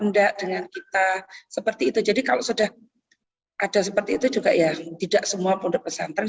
enggak dengan kita seperti itu jadi kalau sudah ada seperti itu juga yang tidak semua pondok pesantren